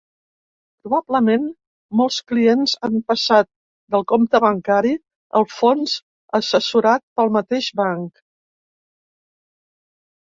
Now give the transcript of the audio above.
Probablement molts clients han passat del compte bancari al fons assessorats pel mateix banc.